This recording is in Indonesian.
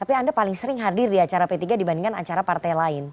karena pak leng sering hadir di acara p tiga dibandingkan acara partai lain